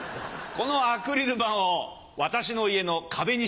このアクリル板を私の家の壁にしました。